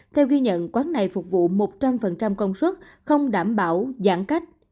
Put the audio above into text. theo ghi nhận quán này phục vụ một trăm linh công suất không đảm bảo giãn cách